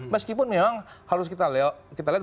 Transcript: meskipun memang harus kita lihat